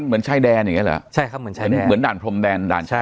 เหมือนช่ายแดนอย่างนี้เหรอใช่ครับเหมือนช่ายแดนเหมือนด่านพรมแดน